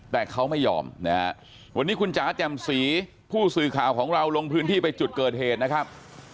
แต่เขาไม่ยอมนะฮะวันนี้คุณจ๋าแจ่มสีผู้สื่อข่าวของเราลงพื้นที่ไปจุดเกิดเหตุนะครับ